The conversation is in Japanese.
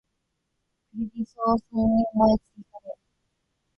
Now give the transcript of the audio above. クリリソ三人前追加で